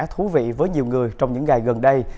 thú vị với nhiều người trong những ngày gần đây